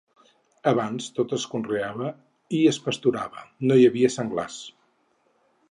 Abans tot es conreava i es pasturava, i no hi havia senglars.